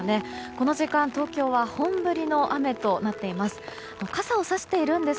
この時間、東京は本降りの雨となっています。